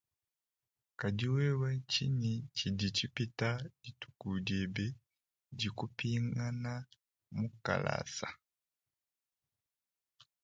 Kadi wewe tshingi tshidi tshipita dithuku diebe di kupingana mukalasa?